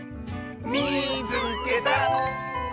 「みいつけた！」。